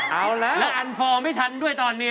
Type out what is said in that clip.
เอาแล้วแล้วอันฟอร์มไม่ทันด้วยตอนนี้